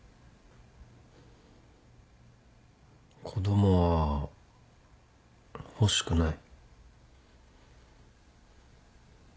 子供は欲しくない。